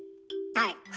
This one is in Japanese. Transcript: はい。